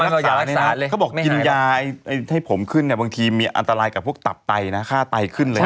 เขาบอกกินยาให้ผมขึ้นบางทีมีอันตรายกับพวกตับไตฆ่าไตขึ้นเลย